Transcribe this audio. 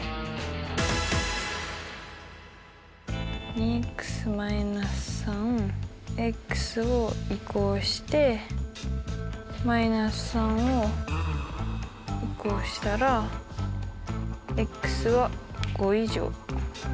２−３を移項して−３を移項したらは５以上。